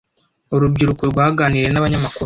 urubyiruko rwaganiriye n’abanyamakuru